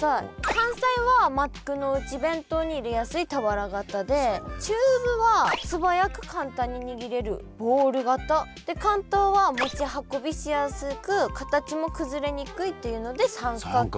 関西は幕の内弁当に入れやすい俵型で中部は素早く簡単ににぎれるボール型で関東は持ち運びしやすく形も崩れにくいっていうので三角形。